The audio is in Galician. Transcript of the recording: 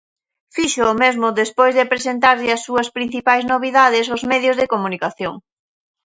Fíxoo mesmo despois de presentarlle as súas principais novidades aos medios de comunicación.